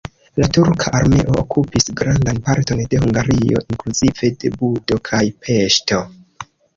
La turka armeo okupis grandan parton de Hungario inkluzive de Budo kaj Peŝto.